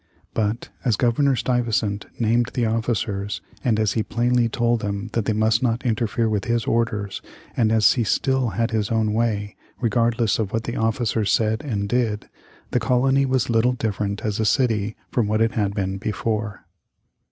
But as Governor Stuyvesant named the officers and as he plainly told them that they must not interfere with his orders, and as he still had his own way, regardless of what the officers said and did, the colony was little different as a city from what it had been before.